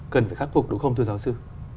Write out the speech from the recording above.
cần phải khắc phục đúng không thưa giáo sư